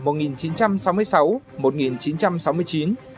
trong giai đoạn một nghìn chín trăm sáu mươi sáu một nghìn chín trăm sáu mươi chín